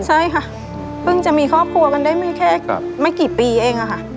ใช่ค่ะเพิ่งจะมีครอบครัวกันได้ไม่แค่ไม่กี่ปีเองค่ะ